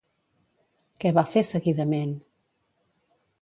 Què va fer seguidament?